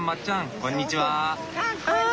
こんにちは。